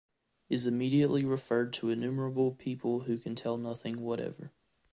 Is immediately referred to innumerable people who can tell nothing whatever.